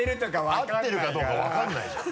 合ってるかどうか分からないじゃん。